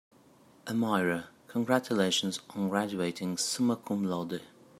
"Amira, congratulations on graduating summa cum laude."